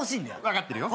分かってるよ。